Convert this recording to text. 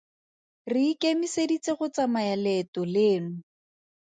Re ikemiseditse go tsamaya leeto leno.